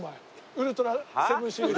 『ウルトラセブン』シリーズ。